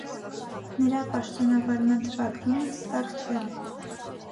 Նրա պաշտոնավարման թվագրումը հստակ չէ։